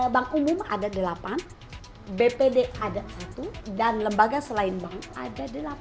bank umum ada delapan bpd ada satu dan lembaga selain bank ada delapan